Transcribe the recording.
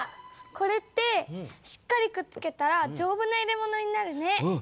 これってしっかりくっつけたらじょうぶな入れ物になるね。